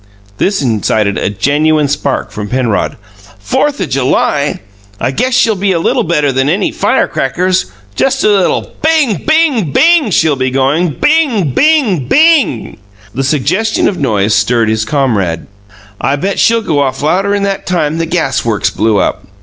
This incited a genuine spark from Penrod. "Fourth o' July! I guess she'll be a little better than any firecrackers! Just a little 'Bing!' Bing! Bing!' she'll be goin'. 'Bing! Bing! Bing!'" The suggestion of noise stirred his comrade. "I'll bet she'll go off louder'n that time the gas works blew up!